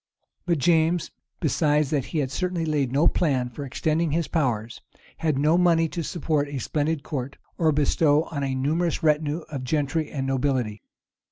But James, besides that he had certainly laid no plan for extending his power, had no money to support a splendid court, or bestow on a numerous retinue of gentry and nobility.